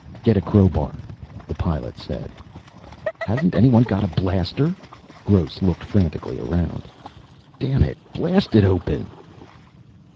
"Get a crowbar," the Pilot said. "Hasn't anyone got a blaster?" Gross looked frantically around. "Damn it, blast it open!"